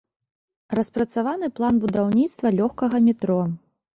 Распрацаваны план будаўніцтва лёгкага метро.